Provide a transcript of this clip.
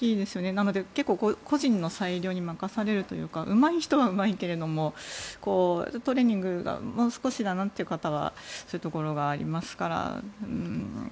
なので個人の裁量に任されるというかうまい人はうまいけれどもトレーニングがもう少しだなという方はそういうところがありますから。